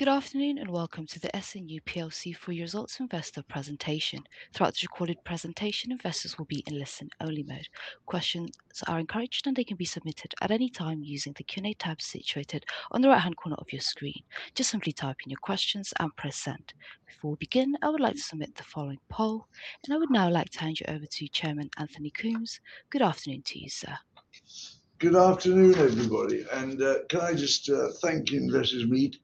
Good afternoon and welcome to the S&U plc full year results investor presentation. Throughout this recorded presentation, investors will be in listen-only mode. Questions are encouraged, and they can be submitted at any time using the Q&A tab situated on the right-hand corner of your screen. Just simply type in your questions and press send. Before we begin, I would like to submit the following poll, and I would now like to hand you over to Chairman Anthony Coombs. Good afternoon to you, sir. Good afternoon, everybody. Can I just thank Investor Meet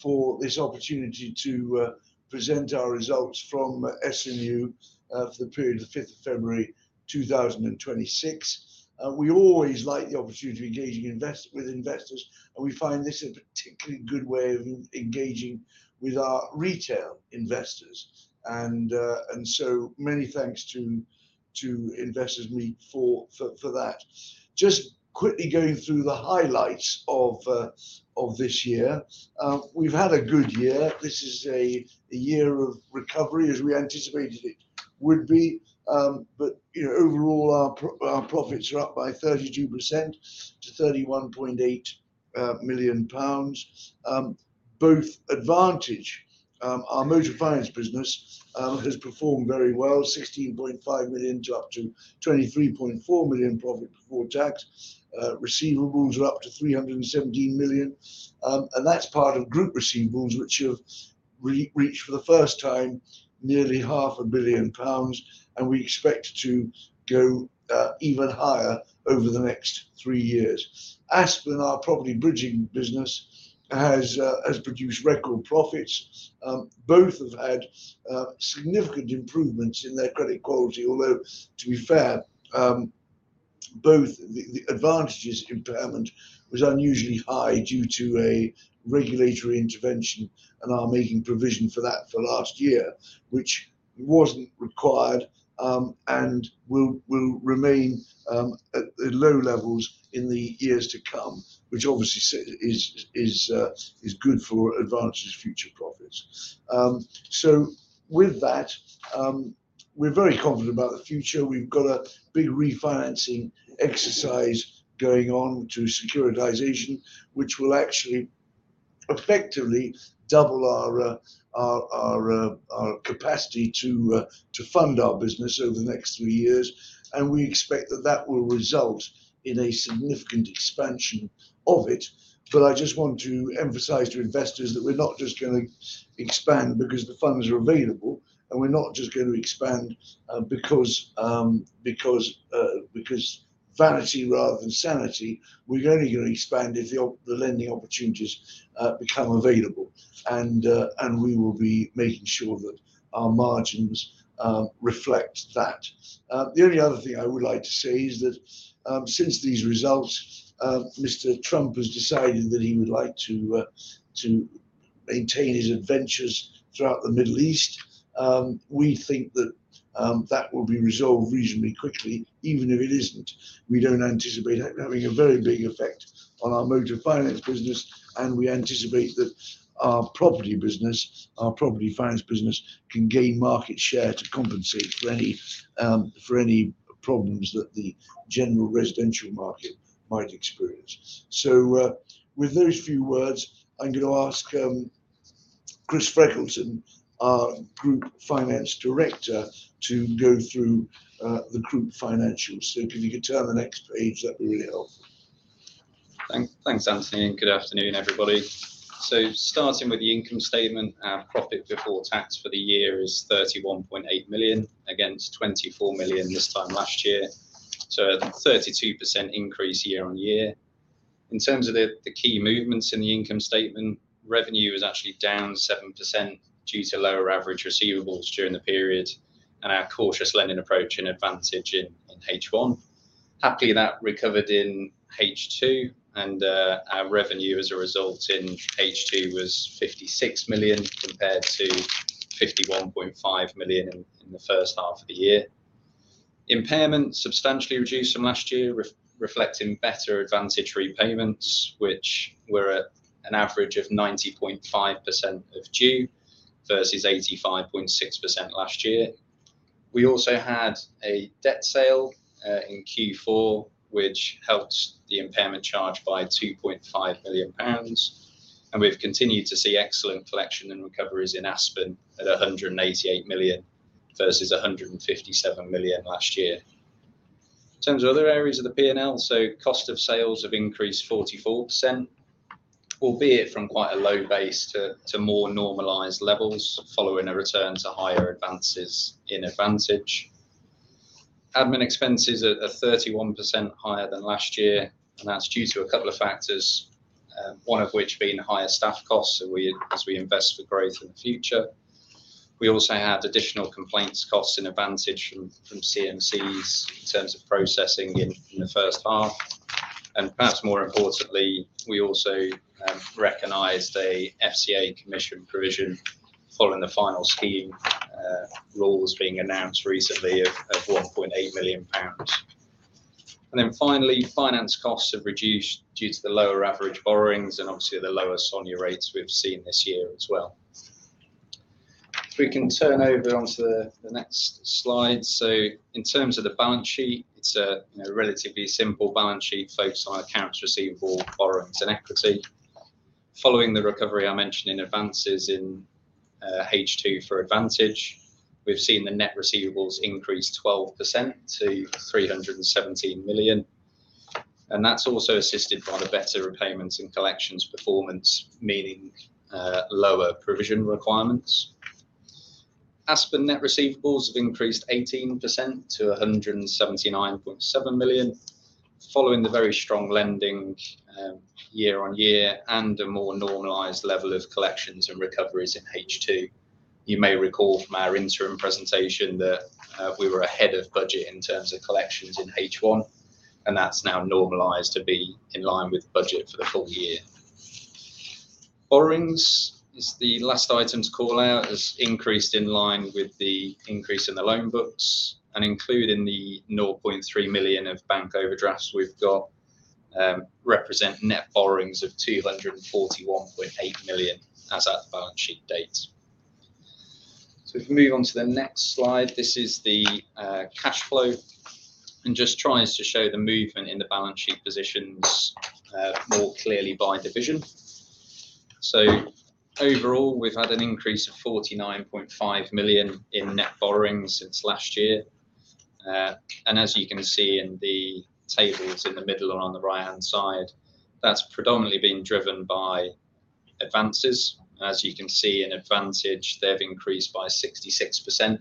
for this opportunity to present our results from S&U for the period of the fifth of February 2026. We always like the opportunity to engage with investors, and we find this a particularly good way of engaging with our retail investors. Many thanks to Investor Meet for that. Just quickly going through the highlights of this year. We've had a good year. This is a year of recovery as we anticipated it would be. Overall, our profits are up by 32% to 31.8 million pounds. Both Advantage, our motor finance business, has performed very well, 16.5 million to up to 23.4 million profit before tax. Receivables are up to 317 million. That's part of group receivables, which have reached for the first time nearly 500 million pounds, and we expect to go even higher over the next three years. Aspen, our property bridging business, has produced record profits. Both have had significant improvements in their credit quality, although, to be fair, both the Advantage's impairment was unusually high due to a regulatory intervention, and are making provision for that for last year, which wasn't required and will remain at low levels in the years to come, which obviously is good for Advantage's future profits. With that, we're very confident about the future. We've got a big refinancing exercise going on to securitization, which will actually effectively double our capacity to fund our business over the next three years, and we expect that that will result in a significant expansion of it. I just want to emphasize to investors that we're not just going to expand because the funds are available, and we're not just going to expand because vanity rather than sanity. We're only going to expand if the lending opportunities become available, and we will be making sure that our margins reflect that. The only other thing I would like to say is that since these results, Mr. Trump has decided that he would like to maintain his adventures throughout the Middle East. We think that that will be resolved reasonably quickly. Even if it isn't, we don't anticipate that having a very big effect on our motor finance business, and we anticipate that our property business, our property finance business, can gain market share to compensate for any problems that the general residential market might experience. With those few words, I'm going to ask Chris Freckelton, our Group Finance Director, to go through the group financials. If you could turn to the next page, that'd be really helpful. Thanks, Anthony, and good afternoon, everybody. Starting with the income statement, our profit before tax for the year is 31.8 million against 24 million this time last year. A 32% increase year-on-year. In terms of the key movements in the income statement, revenue is actually down 7% due to lower average receivables during the period and our cautious lending approach in Advantage in H1. Happily, that recovered in H2, and our revenue as a result in H2 was 56 million compared to 51.5 million in the first half of the year. Impairment substantially reduced from last year, reflecting better Advantage repayments, which were at an average of 90.5% of due versus 85.6% last year. We also had a debt sale in Q4, which helped the impairment charge by 2.5 million pounds. We've continued to see excellent collection and recoveries in Aspen at 188 million versus 157 million last year. In terms of other areas of the P&L, cost of sales have increased 44%, albeit from quite a low base to more normalized levels following a return to higher advances in Advantage. Admin expenses are 31% higher than last year, and that's due to a couple of factors, one of which being higher staff costs as we invest for growth in the future. We also had additional complaints costs in Advantage from CMCs in terms of processing in the first half. Perhaps more importantly, we also recognized a FCA commission provision following the final scheme rules being announced recently of 1.8 million pounds. Finally, finance costs have reduced due to the lower average borrowings and obviously the lower SONIA rates we've seen this year as well. If we can turn over onto the next slide. In terms of the balance sheet, it's a relatively simple balance sheet focused on accounts receivable, borrowings, and equity. Following the recovery I mentioned in advances in H2 for Advantage, we've seen the net receivables increase 12% to 317 million, and that's also assisted by the better repayments and collections performance, meaning lower provision requirements. Aspen net receivables have increased 18% to 179.7 million following the very strong lending year-on-year and a more normalized level of collections and recoveries in H2. You may recall from our interim presentation that we were ahead of budget in terms of collections in H1, and that's now normalized to be in line with budget for the full year. Borrowings is the last item to call out, has increased in line with the increase in the loan books and including the 0.3 million of bank overdrafts we've got, represent net borrowings of 241.8 million as at the balance sheet date. If we move on to the next slide, this is the cash flow and just tries to show the movement in the balance sheet positions more clearly by division. Overall, we've had an increase of 49.5 million in net borrowings since last year. As you can see in the tables in the middle or on the right-hand side, that's predominantly been driven by advances. As you can see in Advantage, they've increased by 66%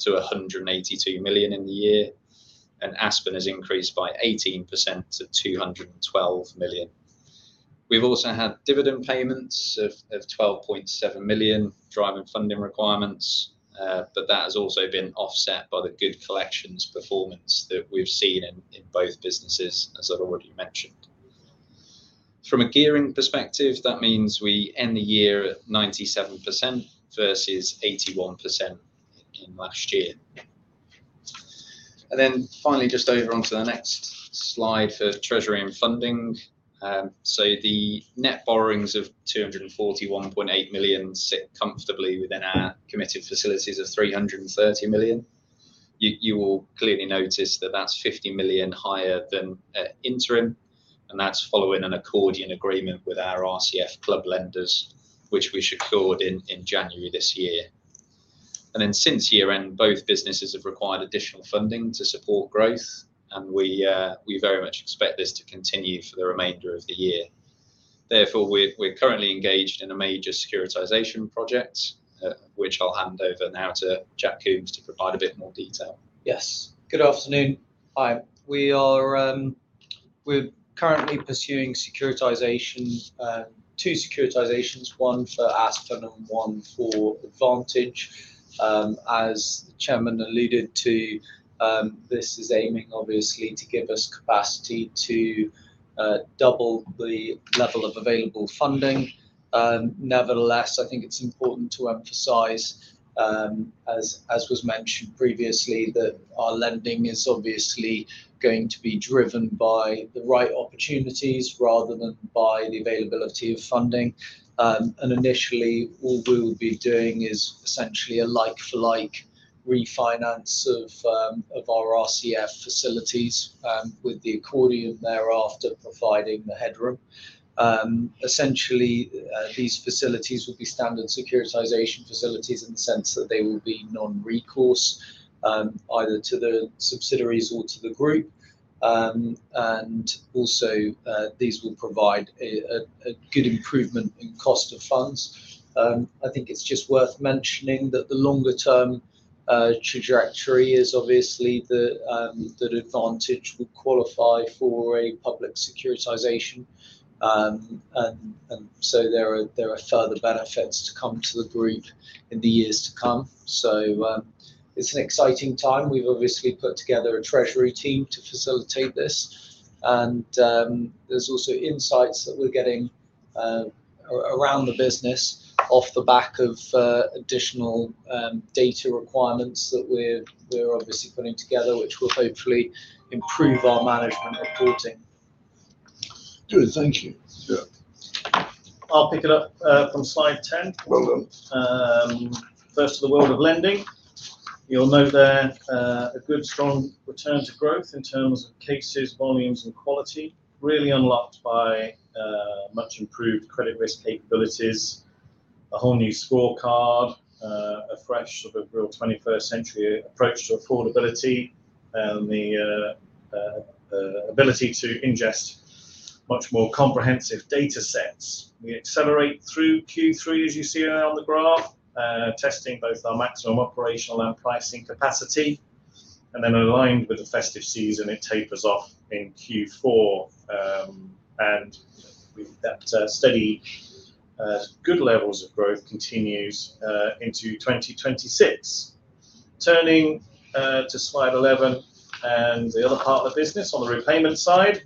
to 182 million in the year, and Aspen has increased by 18% to 212 million. We've also had dividend payments of 12.7 million driving funding requirements, but that has also been offset by the good collections performance that we've seen in both businesses, as I've already mentioned. From a gearing perspective, that means we end the year at 97% versus 81% in last year. Finally, just over onto the next slide for treasury and funding. The net borrowings of 241.8 million sit comfortably within our committed facilities of 330 million. You will clearly notice that that's 50 million higher than at interim, and that's following an accordion agreement with our RCF club lenders, which we secured in January this year. Since year-end, both businesses have required additional funding to support growth, and we very much expect this to continue for the remainder of the year. Therefore, we're currently engaged in a major securitization project, which I'll hand over now to Jack Coombs to provide a bit more detail. Yes. Good afternoon. Hi, we're currently pursuing two securitizations, one for Aspen and one for Advantage. As the chairman alluded to, this is aiming obviously to give us capacity to double the level of available funding. Nevertheless, I think it's important to emphasize, as was mentioned previously, that our lending is obviously going to be driven by the right opportunities rather than by the availability of funding. Initially, all we will be doing is essentially a like-for-like refinance of our RCF facilities with the accordion thereafter providing the headroom. Essentially, these facilities will be standard securitization facilities in the sense that they will be non-recourse either to the subsidiaries or to the group. Also, these will provide a good improvement in cost of funds. I think it's just worth mentioning that the longer-term trajectory is obviously that Advantage would qualify for a public securitization. There are further benefits to come to the group in the years to come. It's an exciting time. We've obviously put together a treasury team to facilitate this, and there's also insights that we're getting around the business off the back of additional data requirements that we're obviously putting together, which will hopefully improve our management reporting. Good. Thank you. Sure. I'll pick it up from slide 10. Well done. First to the world of lending. You'll note there's a good strong return to growth in terms of cases, volumes, and quality really unlocked by much improved credit risk capabilities, a whole new scorecard, a fresh sort of real 21st century approach to affordability, and the ability to ingest much more comprehensive data sets. We accelerate through Q3, as you see there on the graph, testing both our maximum operational and pricing capacity, and then aligned with the festive season, it tapers off in Q4, and that steady good levels of growth continues into 2026. Turning to slide 11 and the other part of the business on the repayment side.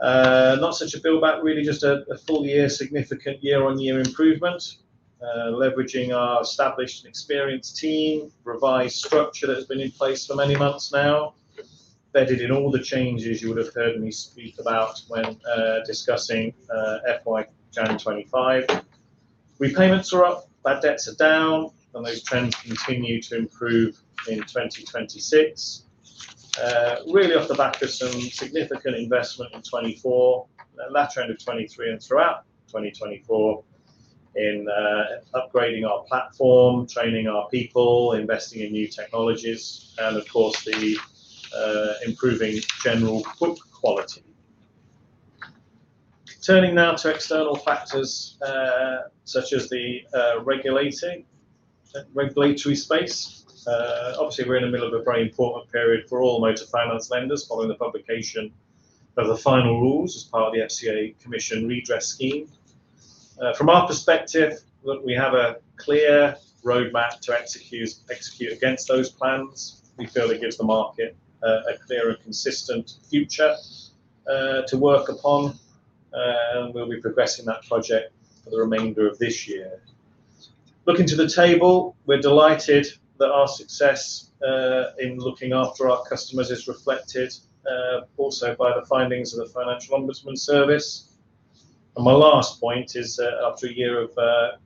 Not such a build back really, just a full year significant year-on-year improvement, leveraging our established and experienced team, revised structure that's been in place for many months now. Bedded in all the changes you would have heard me speak about when discussing FY 2025. Repayments are up, bad debts are down, and those trends continue to improve in 2026. Really off the back of some significant investment in 2024, latter end of 2023, and throughout 2024 in upgrading our platform, training our people, investing in new technologies, and of course, improving general book quality. Turning now to external factors such as the regulatory space. Obviously, we're in the middle of a very important period for all motor finance lenders following the publication of the final rules as part of the FCA Commission Redress Scheme. From our perspective, look, we have a clear roadmap to execute against those plans. We feel it gives the market a clear and consistent future to work upon, and we'll be progressing that project for the remainder of this year. Looking to the table, we're delighted that our success in looking after our customers is reflected also by the findings of the Financial Ombudsman Service. My last point is, after a year of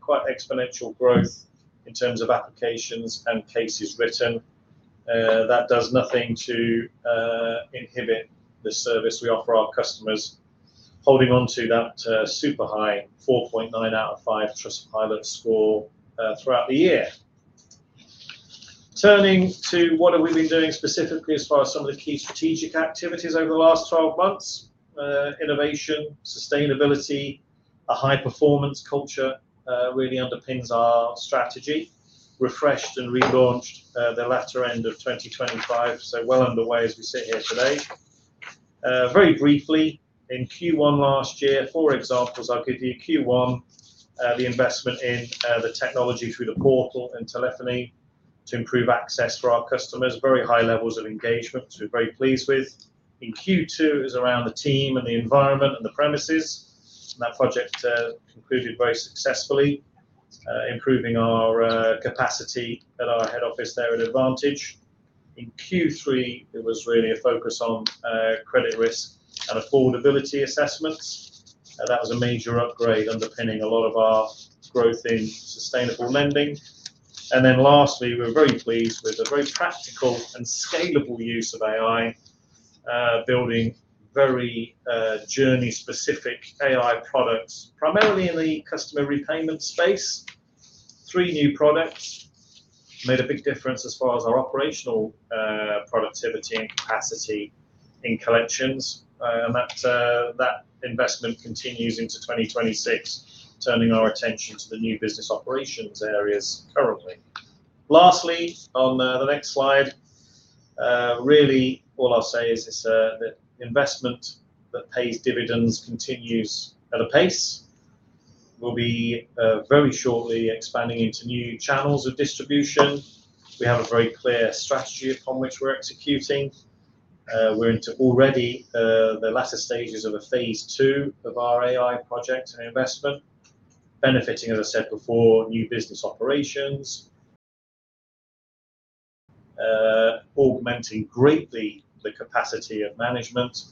quite exponential growth in terms of applications and cases written, that does nothing to inhibit the service we offer our customers. Holding on to that super high 4.9 out of five Trustpilot score throughout the year. Turning to what have we been doing specifically as far as some of the key strategic activities over the last 12 months. Innovation, sustainability, a high-performance culture really underpins our strategy. Refreshed and relaunched the latter end of 2025, so well underway as we sit here today. Very briefly, in Q1 last year, four examples I'll give you. Q1, the investment in the technology through the portal and telephony to improve access for our customers. Very high levels of engagement, which we're very pleased with. In Q2 is around the team and the environment and the premises. That project concluded very successfully, improving our capacity at our head office there at Advantage. In Q3, it was really a focus on credit risk and affordability assessments. That was a major upgrade underpinning a lot of our growth in sustainable lending. Lastly, we were very pleased with a very practical and scalable use of AI, building very journey-specific AI products, primarily in the customer repayment space. Three new products made a big difference as far as our operational productivity and capacity in collections. That investment continues into 2026, turning our attention to the new business operations areas currently. Lastly, on the next slide, really all I'll say is that investment that pays dividends continues at a pace. We'll be very shortly expanding into new channels of distribution. We have a very clear strategy upon which we're executing. We're into already the latter stages of a phase two of our AI project and investment, benefiting, as I said before, new business operations, augmenting greatly the capacity of management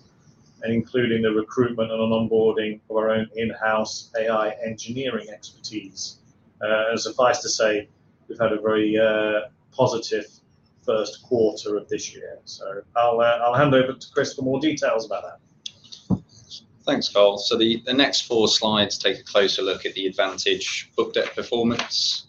and including the recruitment and onboarding of our own in-house AI engineering expertise. Suffice to say, we've had a very positive first quarter of this year. I'll hand over to Chris for more details about that. Thanks, Karl. The next four slides take a closer look at the Advantage book debt performance.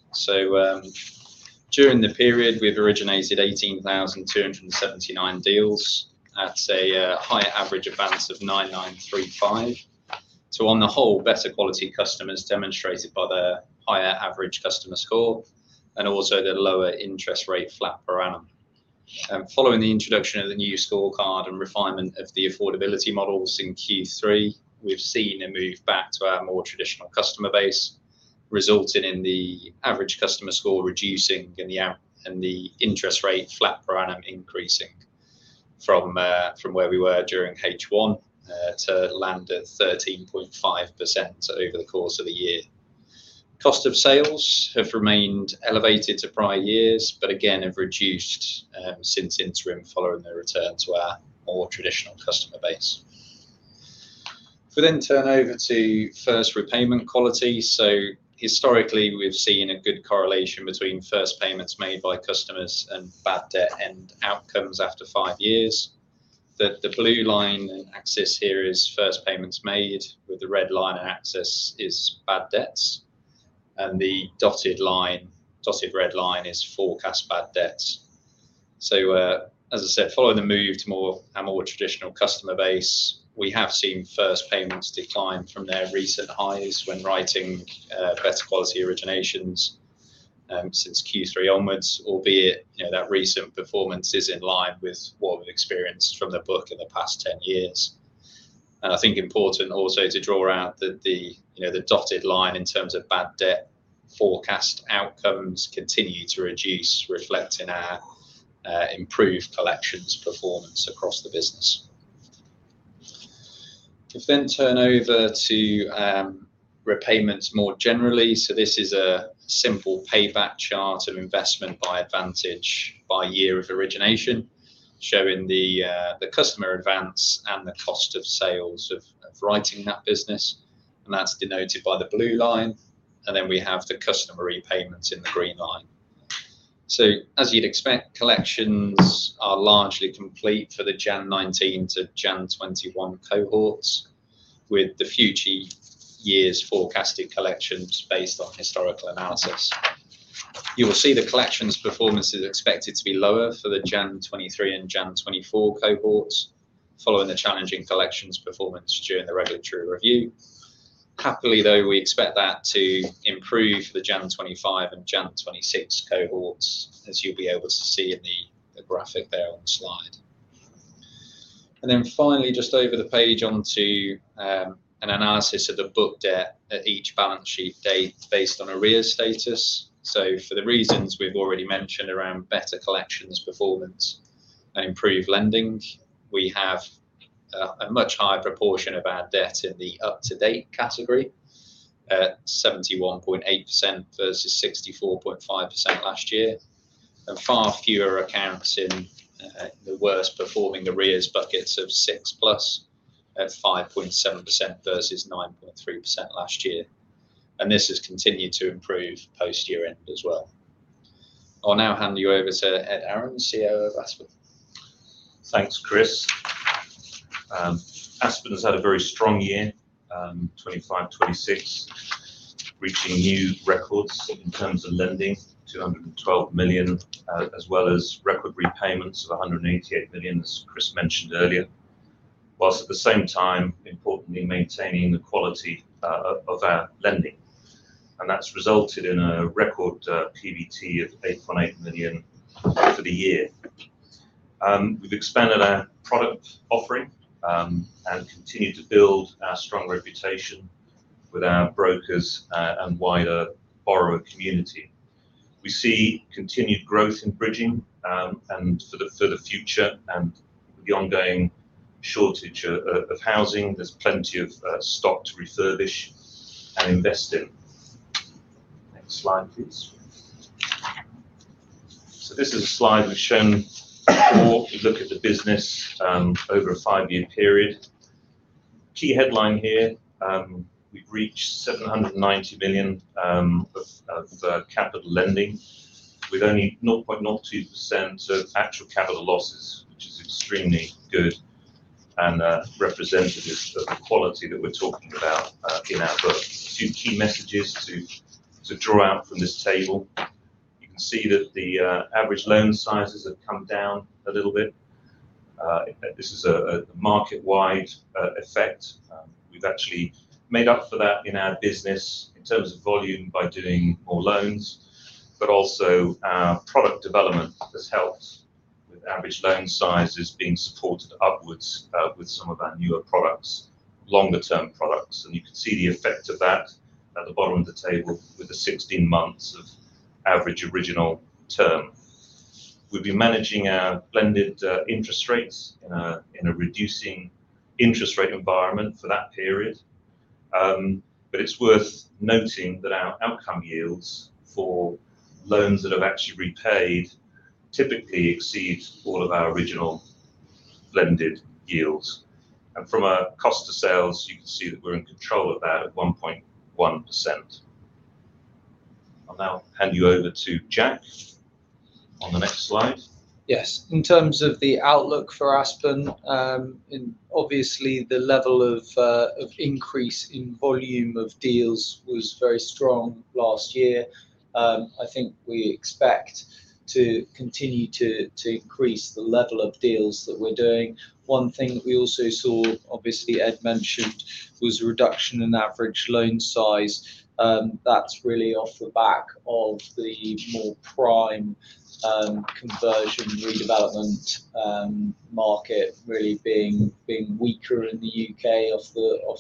During the period, we've originated 18,279 deals at say a higher average advance of 9,935. On the whole, better quality customers demonstrated by the higher average customer score and also the lower flat interest rate per annum. Following the introduction of the new scorecard and refinement of the affordability models in Q3, we've seen a move back to our more traditional customer base, resulting in the average customer score reducing and the flat interest rate per annum increasing from where we were during H1 to land at 13.5% over the course of the year. Cost of sales have remained elevated to prior years, but again, have reduced since interim following the return to our more traditional customer base. If we turn over to first repayment quality. Historically, we've seen a good correlation between first payments made by customers and bad debt end outcomes after five years. The blue line axis here is first payments made, while the red line axis is bad debts, and the dotted red line is forecast bad debts. As I said, following the move to our more traditional customer base, we have seen first payments decline from their recent highs when writing better quality originations since Q3 onwards, albeit that recent performance is in line with what we've experienced from the book in the past 10 years. I think it's important also to draw out that the dotted line in terms of bad debt forecast outcomes continue to reduce, reflecting our improved collections performance across the business. Let's turn over to repayments more generally. This is a simple payback chart of investment by Advantage by year of origination, showing the customer advance and the cost of sales of writing that business, and that's denoted by the blue line. We have the customer repayments in the green line. As you'd expect, collections are largely complete for the January 2019 to January 2021 cohorts, with the future years' forecasted collections based on historical analysis. You will see the collections performance is expected to be lower for the January 2023 and January 2024 cohorts, following the challenging collections performance during the regulatory review. Happily, though, we expect that to improve for the January 2025 and January 2026 cohorts, as you'll be able to see in the graphic there on the slide. Then finally, just over the page on to an analysis of the book debt at each balance sheet date based on arrears status. For the reasons we've already mentioned around better collections performance and improved lending, we have a much higher proportion of our debt in the up-to-date category at 71.8% versus 64.5% last year. Far fewer accounts in the worst performing arrears buckets of 6+, at 5.7% versus 9.3% last year. This has continued to improve post year-end as well. I'll now hand you over to Ed Ahrens, CEO of Aspen. Thanks, Chris. Aspen has had a very strong year, 2025/2026, reaching new records in terms of lending, 212 million, as well as record repayments of 188 million, as Chris mentioned earlier. While at the same time, importantly, maintaining the quality of our lending. That's resulted in a record PBT of 8.8 million for the year. We've expanded our product offering, and continued to build our strong reputation with our brokers and wider borrower community. We see continued growth in bridging, and for the future and with the ongoing shortage of housing, there's plenty of stock to refurbish and invest in. Next slide, please. This is a slide we've shown before. We look at the business over a five-year period. Key headline here, we've reached 790 million of capital lending with only 0.02% of actual capital losses, which is extremely good and representative of the quality that we're talking about in our book. Two key messages to draw out from this table. You can see that the average loan sizes have come down a little bit. This is a market-wide effect. We've actually made up for that in our business in terms of volume by doing more loans, but also our product development has helped with average loan sizes being supported upwards with some of our newer products, longer term products. You can see the effect of that at the bottom of the table with the 16 months of average original term. We've been managing our blended interest rates in a reducing interest rate environment for that period. It's worth noting that our outcome yields for loans that have actually repaid typically exceed all of our original blended yields. From a cost of sales, you can see that we're in control of that at 1.1%. I'll now hand you over to Jack on the next slide. Yes. In terms of the outlook for Aspen, obviously the level of increase in volume of deals was very strong last year. I think we expect to continue to increase the level of deals that we're doing. One thing that we also saw, obviously Ed mentioned, was a reduction in average loan size. That's really off the back of the more prime conversion redevelopment market really being weaker in the U.K. off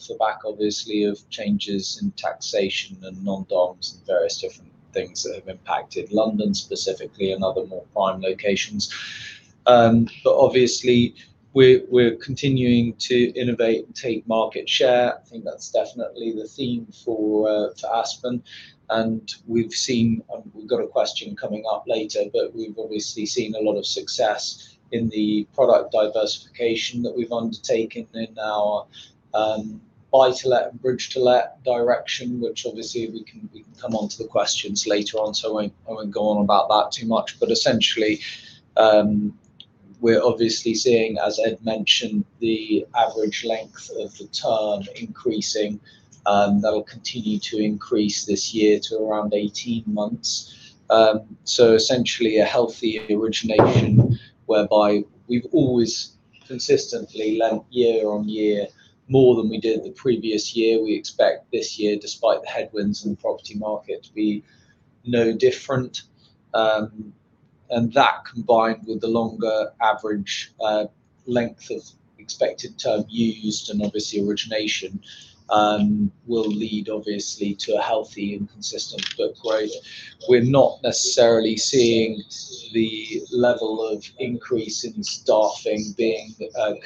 the back, obviously, of changes in taxation and non-doms and various different things that have impacted London specifically and other more prime locations. Obviously we're continuing to innovate and take market share. I think that's definitely the theme for Aspen. We've seen, and we've got a question coming up later, but we've obviously seen a lot of success in the product diversification that we've undertaken in our buy-to-let and bridge to let direction, which obviously we can come on to the questions later on, so I won't go on about that too much. Essentially, we're obviously seeing, as Ed mentioned, the average length of the term increasing. That'll continue to increase this year to around 18 months. Essentially a healthy origination whereby we've always consistently lent year-on-year more than we did the previous year. We expect this year, despite the headwinds in the property market, to be no different. That combined with the longer average length of expected term used and obviously origination will lead obviously to a healthy and consistent book growth. We're not necessarily seeing the level of increase in staffing being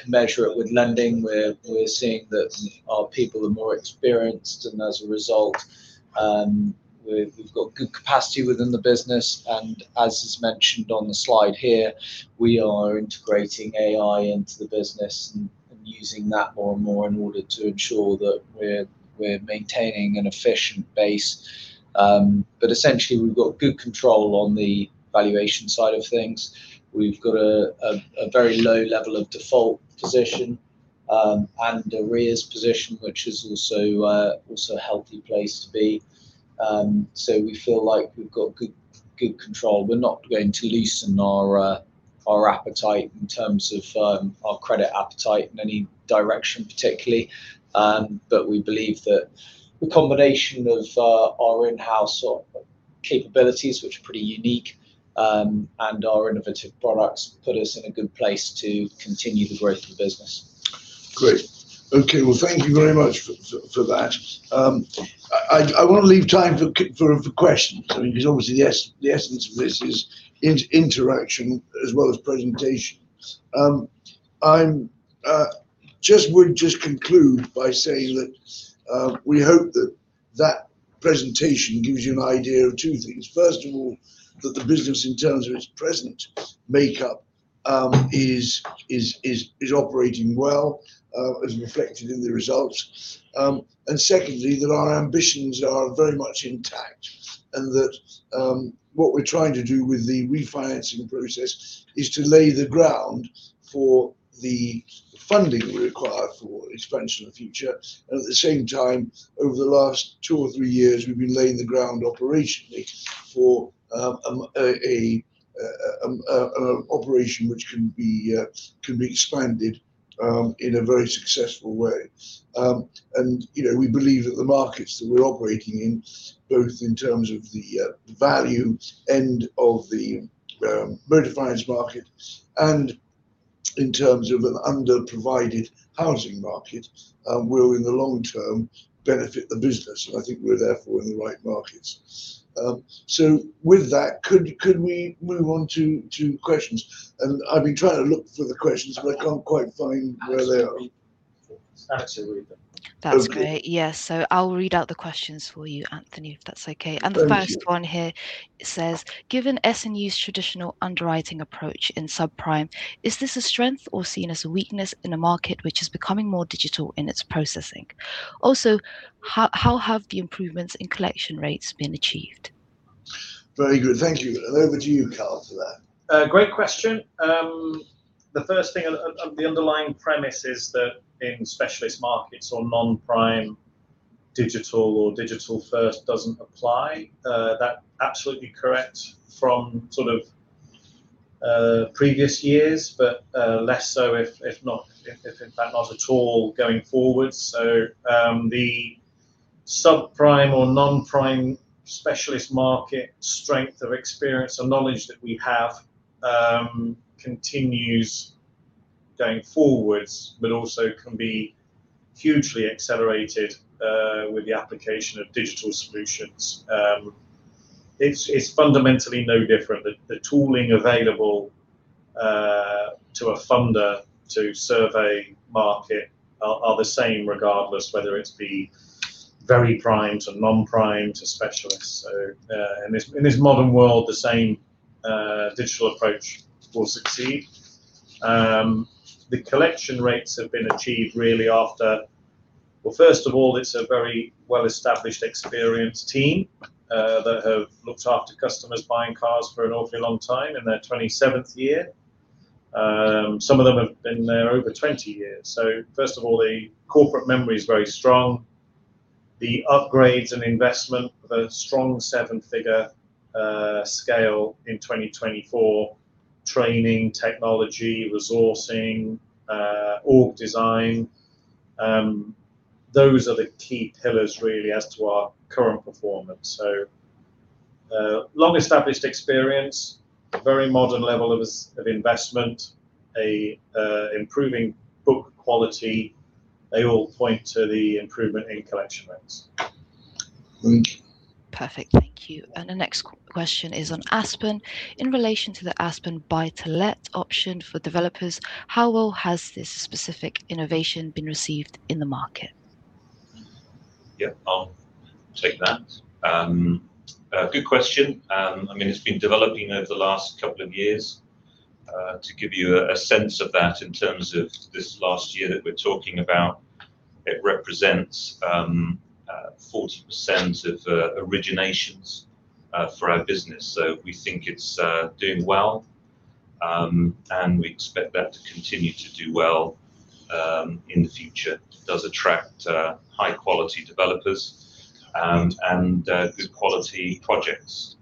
commensurate with lending. We're seeing that our people are more experienced and as a result, we've got good capacity within the business. As is mentioned on the slide here, we are integrating AI into the business and using that more and more in order to ensure that we're maintaining an efficient base. Essentially, we've got good control on the valuation side of things. We've got a very low level of default position, and arrears position, which is also a healthy place to be. We feel like we've got good control. We're not going to loosen our appetite in terms of our credit appetite in any direction particularly. We believe that the combination of our in-house capabilities, which are pretty unique, and our innovative products put us in a good place to continue the growth of the business. Great. Okay, well, thank you very much for that. I want to leave time for questions. I mean, because obviously the essence of this is interaction as well as presentations. I would just conclude by saying that we hope that that presentation gives you an idea of two things. First of all, that the business, in terms of its present makeup, is operating well, as reflected in the results. And secondly, that our ambitions are very much intact and that what we're trying to do with the refinancing process is to lay the ground for the funding we require for expansion in the future. At the same time, over the last two or three years, we've been laying the ground operationally for an operation which can be expanded in a very successful way. We believe that the markets that we're operating in, both in terms of the value end of the motor finance market and in terms of an underprovided housing market, will, in the long term, benefit the business. I think we're therefore in the right markets. With that, could we move on to questions? I've been trying to look for the questions, but I can't quite find where they are. Absolutely. That's great. Okay. Yes. I'll read out the questions for you, Anthony, if that's okay? Thank you. The first one here says, "Given S&U's traditional underwriting approach in subprime, is this a strength or seen as a weakness in a market which is becoming more digital in its processing? Also, how have the improvements in collection rates been achieved? Very good, thank you. Over to you, Karl, for that. Great question. The first thing, the underlying premise is that in specialist markets or non-prime, digital or digital first doesn't apply. That's absolutely correct from sort of previous years, but less so, if not in fact, not at all going forward. The subprime or non-prime specialist market strength of experience and knowledge that we have continues going forwards, but also can be hugely accelerated with the application of digital solutions. It's fundamentally no different. The tooling available to a funder to serve the market are the same regardless whether it's the very prime to non-prime to specialists. In this modern world, the same digital approach will succeed. The collection rates have been achieved really. First of all, it's a very well-established, experienced team that have looked after customers buying cars for an awfully long time, in their 27th year. Some of them have been there over 20 years. First of all, the corporate memory is very strong. The upgrades and investment of a strong seven-figure scale in 2024, training, technology, resourcing, org design, those are the key pillars really as to our current performance. Long established experience, very modern level of investment, improving book quality, they all point to the improvement in collection rates. Thank you. Perfect. Thank you. The next question is on Aspen. In relation to the Aspen buy-to-let option for developers, how well has this specific innovation been received in the market? Yeah. I'll take that. Good question. It's been developing over the last couple of years. To give you a sense of that in terms of this last year that we're talking about, it represents 40% of originations for our business. We think it's doing well, and we expect that to continue to do well in the future. It does attract high quality developers and good quality projects.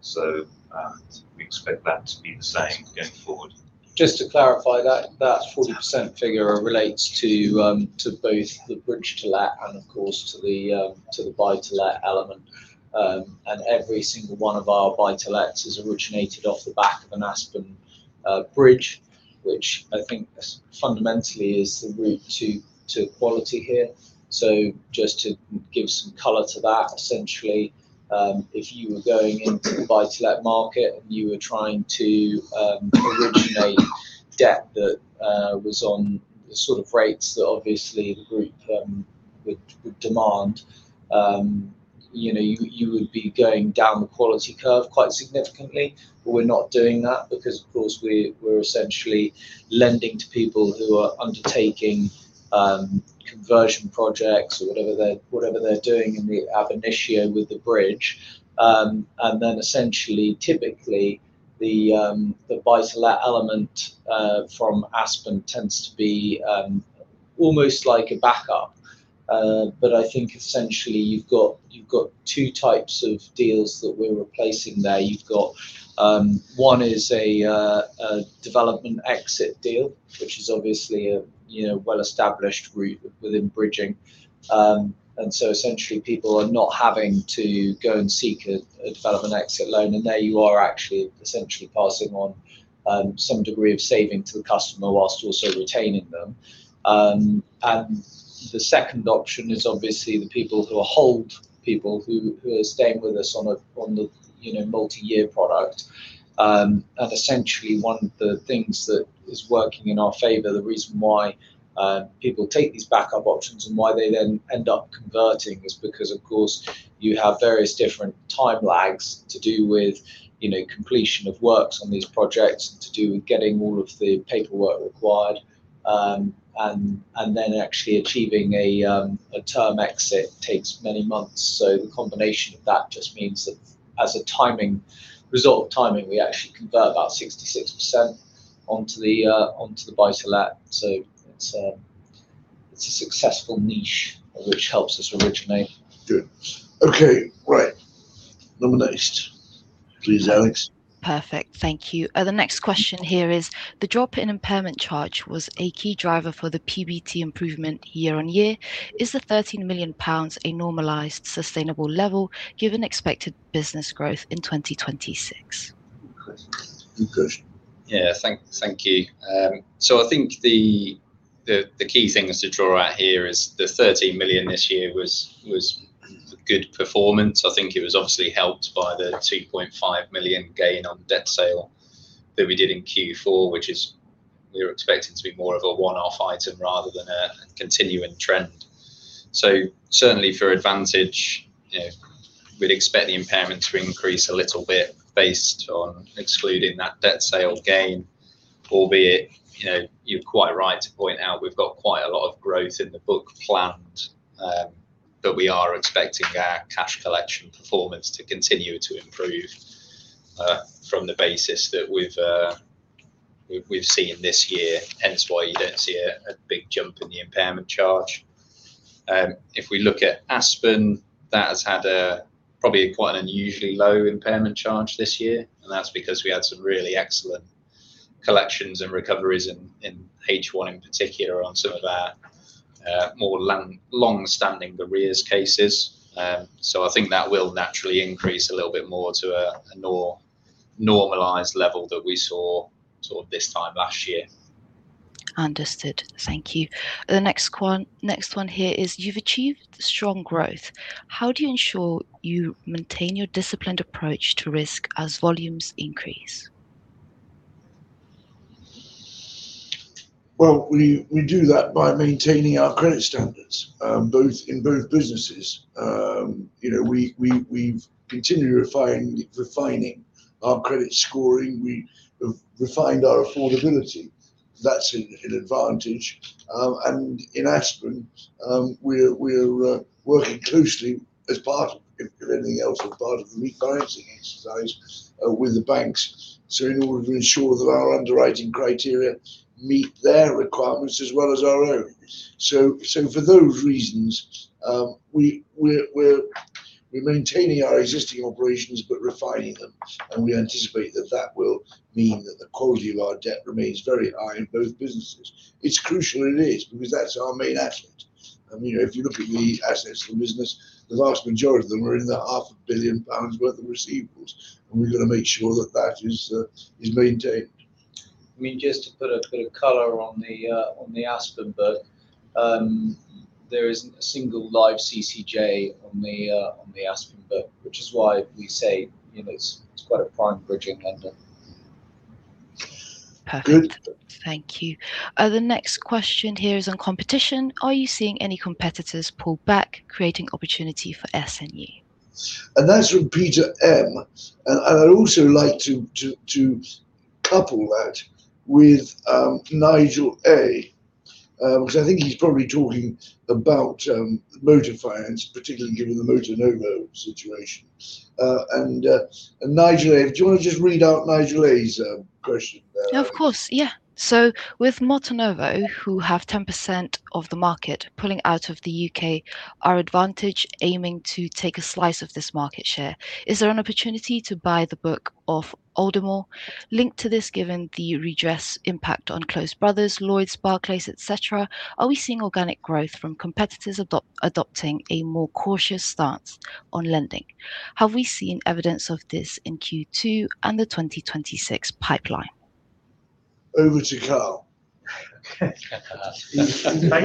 We expect that to be the same going forward. Just to clarify, that 40% figure relates to both the bridge to let and of course, to the buy to let element. Every single one of our buy to lets has originated off the back of an Aspen bridge, which I think fundamentally is the route to quality here. Just to give some color to that, essentially, if you were going into the buy to let market and you were trying to originate debt that was on the sort of rates that obviously the group would demand, you would be going down the quality curve quite significantly. We're not doing that because, of course, we're essentially lending to people who are undertaking conversion projects or whatever they're doing, and we have an issue with the bridge. Then essentially, typically, the buy to let element from Aspen tends to be almost like a backup. I think essentially you've got two types of deals that we're replacing there. You've got one is a development exit deal, which is obviously a well-established route within bridging. Essentially people are not having to go and seek a development exit loan, and there you are actually essentially passing on some degree of saving to the customer while also retaining them. The second option is obviously the people who are hold people, who are staying with us on the multi-year product. Essentially one of the things that is working in our favor, the reason why people take these backup options and why they then end up converting is because, of course, you have various different time lags to do with completion of works on these projects, to do with getting all of the paperwork required, and then actually achieving a term exit takes many months. The combination of that just means that as a result of timing, we actually convert about 66% onto the buy-to-let. It's a successful niche which helps us originate. Good. Okay. Right. Nominations, please, Alex. Perfect. Thank you. The next question here is: The drop in impairment charge was a key driver for the PBT improvement year-over-year. Is the 13 million pounds a normalized, sustainable level given expected business growth in 2026? Good. Yeah. Thank you. I think the key things to draw out here is the 13 million this year was a good performance. I think it was obviously helped by the 2.5 million gain on debt sale that we did in Q4, which is we were expecting to be more of a one-off item rather than a continuing trend. Certainly for Advantage, we'd expect the impairment to increase a little bit based on excluding that debt sale gain, albeit, you're quite right to point out we've got quite a lot of growth in the book planned, but we are expecting our cash collection performance to continue to improve from the basis that we've seen this year, hence why you don't see a big jump in the impairment charge. If we look at Aspen, that has had probably quite an unusually low impairment charge this year, and that's because we had some really excellent collections and recoveries in H1 in particular on some of our more long-standing arrears cases. I think that will naturally increase a little bit more to a normalized level that we saw sort of this time last year. Understood. Thank you. The next one here is: You've achieved strong growth. How do you ensure you maintain your disciplined approach to risk as volumes increase? Well, we do that by maintaining our credit standards in both businesses. We've continued refining our credit scoring. We have refined our affordability. That's an advantage. In Aspen, we're working closely as part of the rebalancing exercise with the banks. In order to ensure that our underwriting criteria meet their requirements as well as our own. For those reasons, we're maintaining our existing operations but refining them, and we anticipate that that will mean that the quality of our debt remains very high in both businesses. It's crucial it is because that's our main asset. If you look at the assets of the business, the vast majority of them are in the 500 million pounds worth of receivables, and we've got to make sure that that is maintained. Just to put a bit of color on the Aspen book, there isn't a single live CCJ on the Aspen book, which is why we say it's quite a prime bridging lender. Perfect. Good. Thank you. The next question here is on competition. Are you seeing any competitors pull back, creating opportunity for S&U? That's from Peter M. I'd also like to couple that with Nigel A., because I think he's probably talking about motor finance, particularly given the MotoNovo situation. Nigel A., do you want to just read out Nigel A.'s question there? Of course. Yeah. With MotoNovo, who have 10% of the market pulling out of the U.K., are Advantage aiming to take a slice of this market share? Is there an opportunity to buy the book off Aldermore? Linked to this, given the redress impact on Close Brothers, Lloyds, Barclays, et cetera, are we seeing organic growth from competitors adopting a more cautious stance on lending? Have we seen evidence of this in Q2 and the 2026 pipeline? Over to Karl. Thank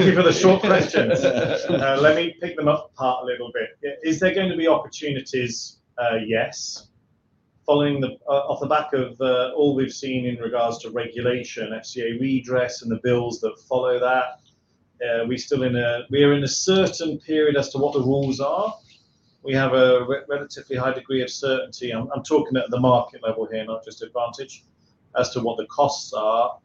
you for the short questions. Let me pick them apart a little bit. Is there going to be opportunities? Yes. Following off the back of all we've seen in regards to regulation, FCA redress and the bills that follow that, we are in a certain period as to what the rules are. We have a relatively high degree of certainty. I'm talking at the market level here, not just at Advantage, as to what the costs are.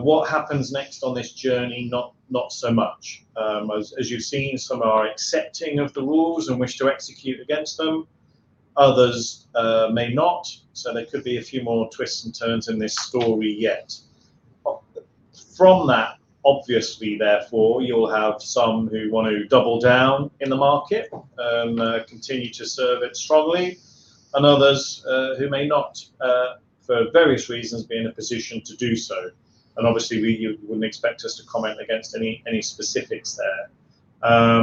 What happens next on this journey? Not so much. As you've seen, some are accepting of the rules and wish to execute against them. Others may not. There could be a few more twists and turns in this story yet. From that, obviously, therefore, you'll have some who want to double down in the market and continue to serve it strongly, and others who may not, for various reasons, be in a position to do so. Obviously, you wouldn't expect us to comment against any specifics there.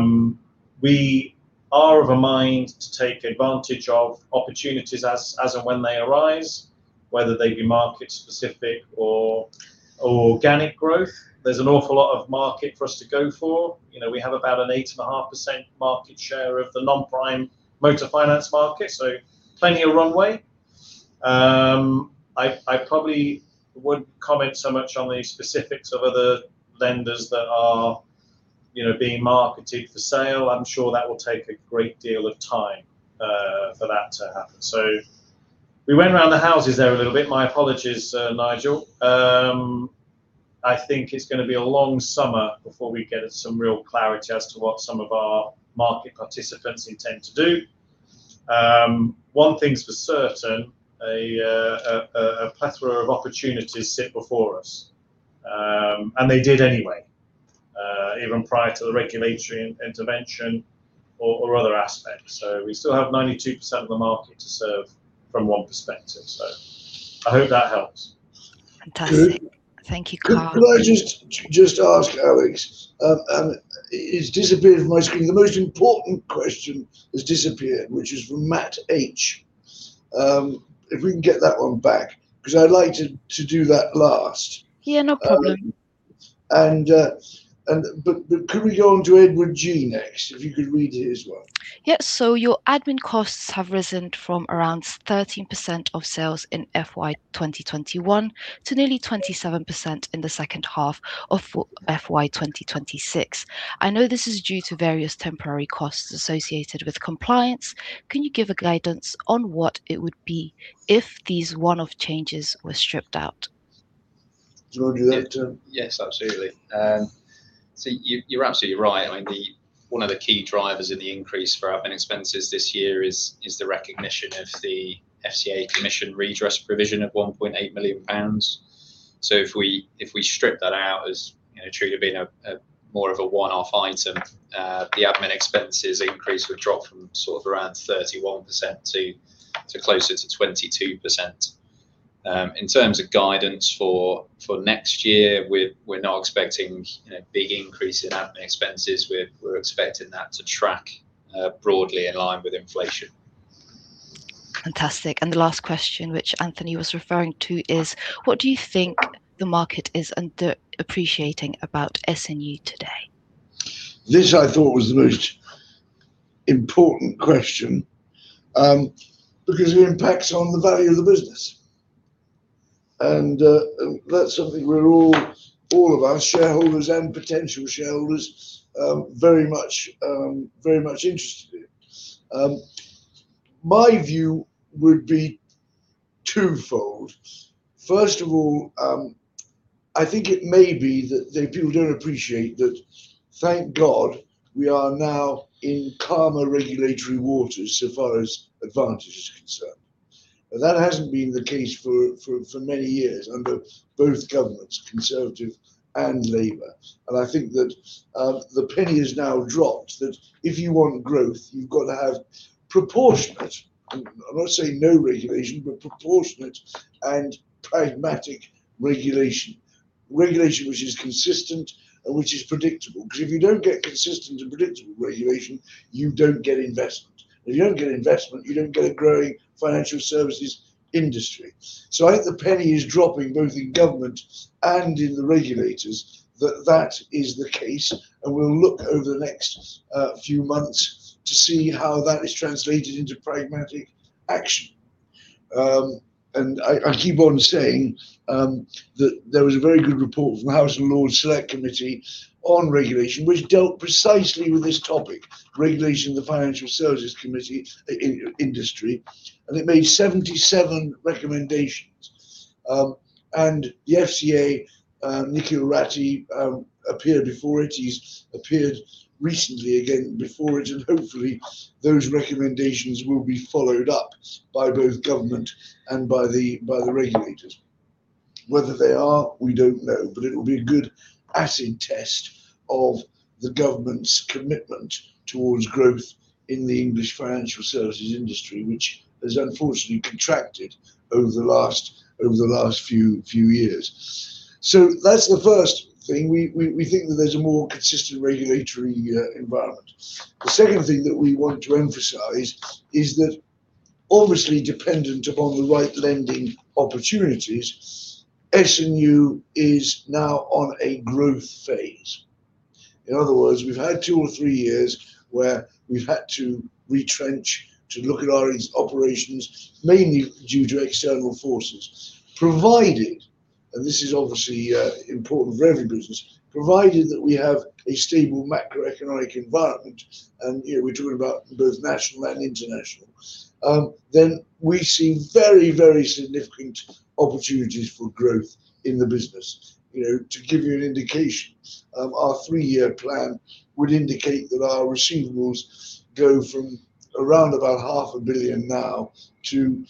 We are of a mind to take advantage of opportunities as and when they arise, whether they be market specific or organic growth. There's an awful lot of market for us to go for. We have about an 8.5% market share of the non-prime motor finance market, so plenty of runway. I probably wouldn't comment so much on the specifics of other lenders that are being marketed for sale. I'm sure that will take a great deal of time for that to happen. We went round the houses there a little bit. My apologies, Nigel. I think it's going to be a long summer before we get some real clarity as to what some of our market participants intend to do. One thing's for certain, a plethora of opportunities sit before us. They did anyway, even prior to the regulatory intervention or other aspects. We still have 92% of the market to serve from one perspective, so I hope that helps. Fantastic. Thank you, Karl. Could I just ask, Alex, it's disappeared from my screen. The most important question has disappeared, which is from Matt H. If we can get that one back, because I'd like to do that last. Yeah, no problem. Could we go on to Edward G. next, if you could read his as well? Yeah. Your admin costs have risen from around 13% of sales in FY 2021 to nearly 27% in the second half of FY 2026. I know this is due to various temporary costs associated with compliance. Can you give a guidance on what it would be if these one-off changes were stripped out? Do you want to do that, Tim? Yes, absolutely. You're absolutely right. One of the key drivers of the increase for our admin expenses this year is the recognition of the FCA commission redress provision of 1.8 million pounds. If we strip that out as treated being more of a one-off item, the admin expenses increase would drop from sort of around 31% to closer to 22%. In terms of guidance for next year, we're not expecting a big increase in admin expenses. We're expecting that to track broadly in line with inflation. Fantastic. The last question, which Anthony was referring to is, what do you think the market is under-appreciating about S&U today? This I thought was the most important question, because it impacts on the value of the business. That's something all of us shareholders and potential shareholders are very much interested in. My view would be twofold. First of all, I think it may be that people don't appreciate that, thank God, we are now in calmer regulatory waters so far as Advantage is concerned. That hasn't been the case for many years under both governments, Conservative and Labour. I think that the penny has now dropped, that if you want growth, you've got to have proportionate, I'm not saying no regulation, but proportionate and pragmatic regulation. Regulation which is consistent and which is predictable. Because if you don't get consistent and predictable regulation, you don't get investment. If you don't get investment, you don't get a growing financial services industry. I think the penny is dropping, both in government and in the regulators, that that is the case, and we'll look over the next few months to see how that is translated into pragmatic action. I keep on saying that there was a very good report from the House of Lords Select Committee on regulation, which dealt precisely with this topic, regulation of the financial services industry, and it made 77 recommendations. The FCA, Nikhil Rathi, appeared before it. He's appeared recently again before it, and hopefully those recommendations will be followed up by both government and by the regulators. Whether they are, we don't know, but it'll be a good acid test of the government's commitment towards growth in the English financial services industry, which has unfortunately contracted over the last few years. That's the first thing. We think that there's a more consistent regulatory environment. The second thing that we want to emphasize is that obviously dependent upon the right lending opportunities, S&U is now on a growth phase. In other words, we've had two or three years where we've had to retrench to look at our operations, mainly due to external forces. Provided, and this is obviously important for every business, provided that we have a stable macroeconomic environment, and here we're talking about both national and international, then we see very, very significant opportunities for growth in the business. To give you an indication, our three-year plan would indicate that our receivables go from around about 500 million now to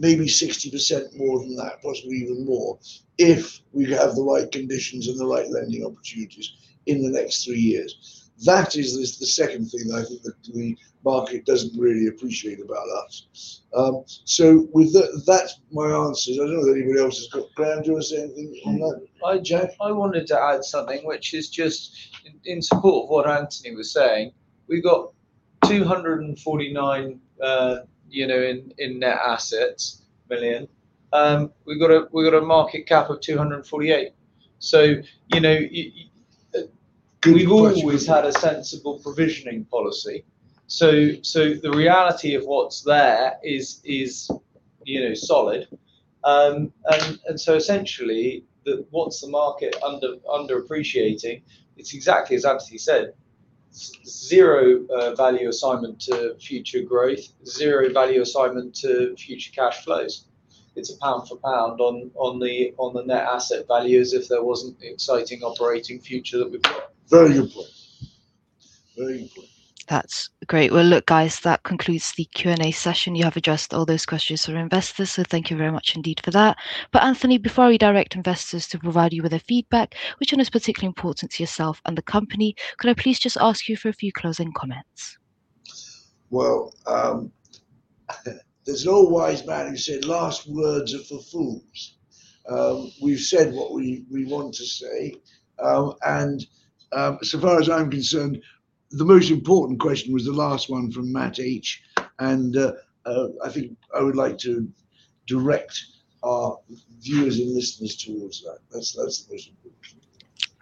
maybe 60% more than that, possibly even more, if we have the right conditions and the right lending opportunities in the next three years. That is the second thing that I think that the market doesn't really appreciate about us. With that's my answer. I don't know if anybody else has got, Graham, do you want to say anything on that? Hi, Jeff. I wanted to add something which is just in support of what Anthony was saying. We've got 249 million in net assets. We've got a market cap of 248 million. You- Good question. We've always had a sensible provisioning policy. The reality of what's there is solid. Essentially, what's the market under-appreciating, it's exactly as Anthony said, zero value assignment to future growth, zero value assignment to future cash flows. It's a pound for pound on the net asset values if there wasn't the exciting operating future that we've got. Very good point. That's great. Well, look, guys, that concludes the Q&A session. You have addressed all those questions from investors, so thank you very much indeed for that. Anthony, before we direct investors to provide you with their feedback, which one is particularly important to yourself and the company, could I please just ask you for a few closing comments? Well, there's an old wise man who said, "Last words are for fools." We've said what we want to say. Far as I'm concerned, the most important question was the last one from Matt H, and I think I would like to direct our viewers and listeners towards that. That's the most important.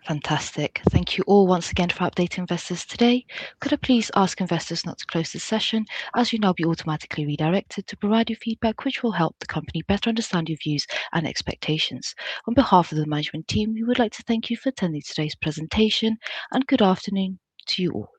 Fantastic. Thank you all once again for updating investors today. Could I please ask investors not to close this session, as you'll now be automatically redirected to provide your feedback, which will help the company better understand your views and expectations. On behalf of the management team, we would like to thank you for attending today's presentation, and good afternoon to you all